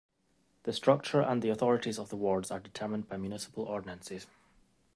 The structure and the authorities of the wards are determined by municipal ordinances.